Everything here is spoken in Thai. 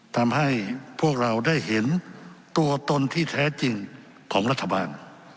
ทำให้พวกเราได้เห็นตัวตนที่แท้จริงของรัฐบาล